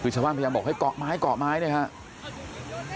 คือชาวบ้านพยายามบอกให้เกาะไม้เลยครับ